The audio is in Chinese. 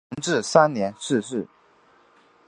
同治三年逝世。